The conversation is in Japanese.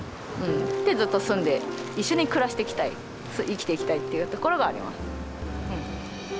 でずっと住んで一緒に暮らしていきたい生きていきたいっていうところがあります。